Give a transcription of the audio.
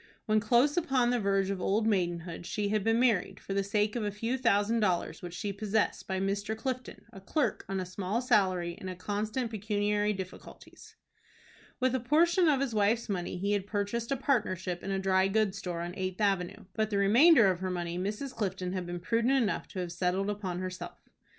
When close upon the verge of old maidenhood she had been married, for the sake of a few thousand dollars which she possessed, by Mr. Clifton, a clerk on a small salary, in constant pecuniary difficulties. With a portion of his wife's money he had purchased a partnership in a dry goods store on Eighth Avenue; but the remainder of her money Mrs. Clifton had been prudent enough to have settled upon herself.